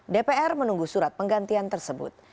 dpr menunggu surat penggantian tersebut